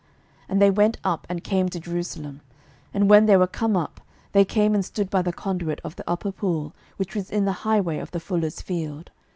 And they went up and came to Jerusalem. And when they were come up, they came and stood by the conduit of the upper pool, which is in the highway of the fuller's field.